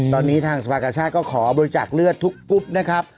ตอนนี้ทางสภาคชาติก็ขอบริจาคเลือดทุกกรุ๊ปนะครับ